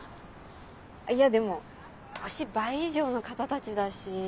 いやでも年倍以上の方たちだし。